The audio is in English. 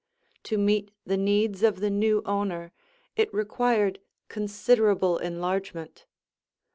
To meet the needs of the new owner, it required considerable enlargement.